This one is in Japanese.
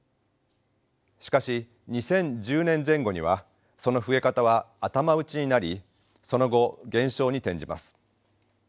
しかし２０１０年前後にはその増え方は頭打ちになりその後減少に転じます。